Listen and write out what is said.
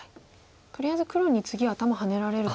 とりあえず黒に次頭ハネられると。